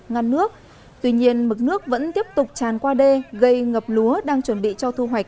ngăn nước tuy nhiên mực nước vẫn tiếp tục tràn qua đê gây ngập lúa đang chuẩn bị cho thu hoạch